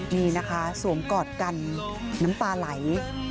นี่นะคะสวมกอดกันน้ำตาไหล